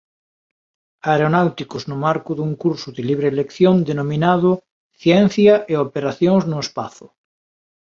Aeronáuticos no marco dun curso de libre elección denominado "Ciencia e operacións no espazo".